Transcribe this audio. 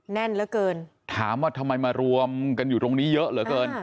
แน่นเหลือเกินถามว่าทำไมมารวมกันอยู่ตรงนี้เยอะเหลือเกิน